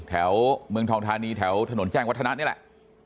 แถวเมืองทองธานีแถวถนนแจ้งวัฒนะนี่แหละ